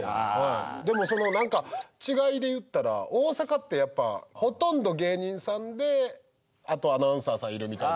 でもそのなんか違いでいったら大阪ってやっぱほとんど芸人さんであとはアナウンサーさんいるみたいな。